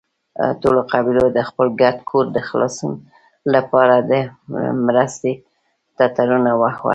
ټولو قبيلو د خپل ګډ کور د خلاصون له پاره د مرستې ټټرونه ووهل.